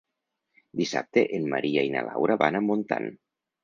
Dissabte en Maria i na Laura van a Montant.